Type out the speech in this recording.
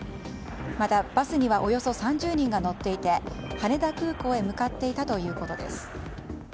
また、バスにはおよそ３０人が乗っていて羽田空港へ向かっていたということです。